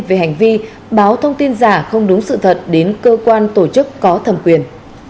về hành vi báo thông tin giả không đúng sự thật đến cơ quan tổ chức có thẩm quyền